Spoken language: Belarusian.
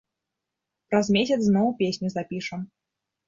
Праз месяц зноў песню запішам.